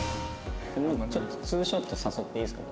ちょっとツーショット誘っていいですか？